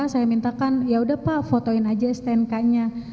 saya mintakan ya sudah pak fotoin saja stnk nya